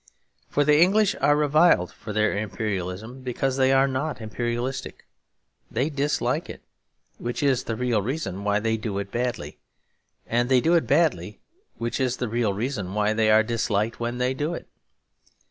For the English are reviled for their imperialism because they are not imperialistic. They dislike it, which is the real reason why they do it badly; and they do it badly, which is the real reason why they are disliked when they do it.